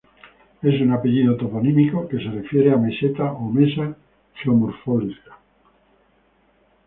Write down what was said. Es un apellido toponímico que se refiere a meseta o mesa geomorfológica.